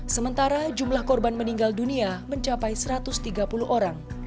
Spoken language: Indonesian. sementara jumlah korban meninggal dunia mencapai satu ratus tiga puluh orang